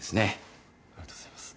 ありがとうございます。